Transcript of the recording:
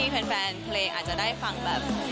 แฟนเพลงอาจจะได้ฟังแบบ